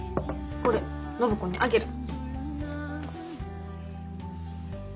これ暢子にあげる。